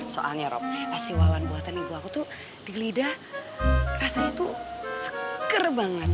soalnya rob asiwalan buatan ibu aku tuh di lidah rasanya tuh seker banget